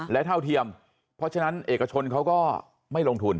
และเท่าเทียมเพราะฉะนั้นเอกชนเขาก็ไม่ลงทุน